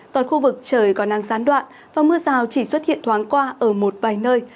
toàn khu vực trời còn nắng gián đoạn và mưa rào chỉ xuất hiện thoáng qua ở một vài nơi